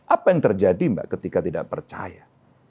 apa yang terjadi mbak ketika tidak percaya